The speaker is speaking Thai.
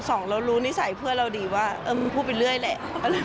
สองเรารู้นิสัยเพื่อนเราดีว่ามึงพูดไปเรื่อยแหละ